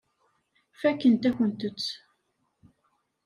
Fakken-akent-tt.